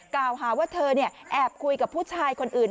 กล่าวหาว่าเธอแอบคุยกับผู้ชายคนอื่น